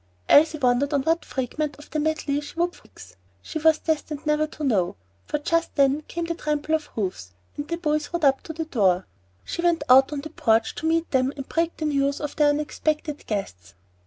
Elsie wondered on what fragment of the medley she would fix. She was destined never to know, for just then came the trample of hoofs and the "Boys" rode up to the door. She went out on the porch to meet them and break the news of the unexpected guests.